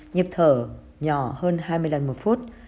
nhịp thở nhỏ hơn hai mươi lần một phút